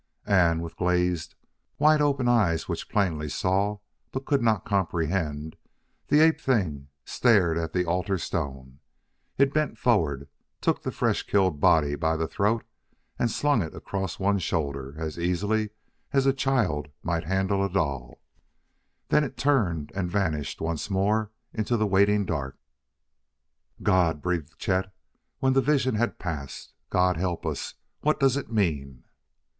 And, with glazed, wide open eyes which plainly saw, but could not comprehend, the ape thing stared at the altar stone. It bent forward, took the fresh killed body by the throat, and slung it across one shoulder as easily as a child might handle a doll; then it turned and vanished once more into the waiting dark. "God!" breathed Chet when the vision had passed. "God help us! What does it mean?"